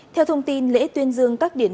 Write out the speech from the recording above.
theo thông tin lễ tuyên dương các điểm